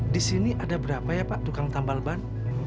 di sini ada berapa ya pak tukang tambal ban